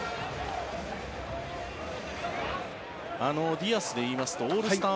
ディアスでいいますとオールスター